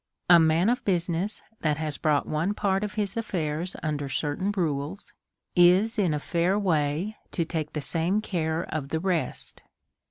A man of business, that has brought one part of his affairs under certain rules, is in a fair way to take the same care of the rest.